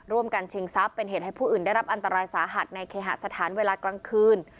ชิงทรัพย์เป็นเหตุให้ผู้อื่นได้รับอันตรายสาหัสในเคหสถานเวลากลางคืน